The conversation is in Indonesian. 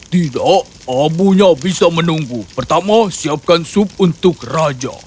tidak abunya bisa menunggu pertama siapkan sup untuk raja